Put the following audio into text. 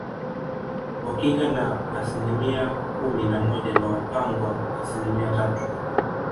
Wakinga ni asilimia kumi na moja na Wapangwa asilimia tatu